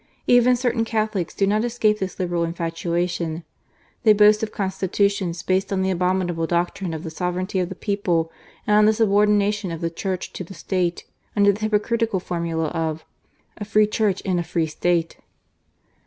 Even certain Catholics do not escape this Liberal infatuation. They boast of Constitutions based on the abominable doctrine of the sovereignty of the people, and on the subordination of the Church to the State, under the hypocritical formula of " a Free Church in a Free State."